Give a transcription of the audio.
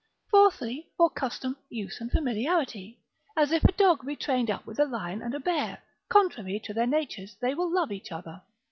Fourthly, for custom, use, and familiarity, as if a dog be trained up with a lion and a bear, contrary to their natures, they will love each other.